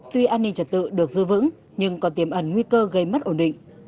tuy an ninh trật tự được dư vững nhưng còn tiềm ẩn nguy cơ gây mất ổn định